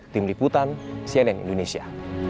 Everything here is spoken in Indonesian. tim liputan cnn indonesia